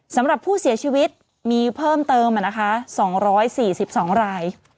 สำหรับผู้เสียชีวิตมีเพิ่มเติม๒๔๒ราย